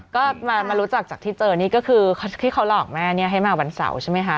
ก็มารู้จักจากที่เจอนี่ก็คือที่เขาหลอกแม่เนี่ยให้มาวันเสาร์ใช่ไหมคะ